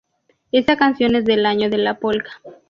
Esta canción es del año de la polca